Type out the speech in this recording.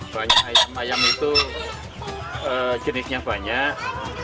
banyak ayam ayam itu jenisnya banyak